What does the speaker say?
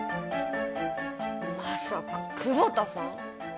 まさか久保田さん？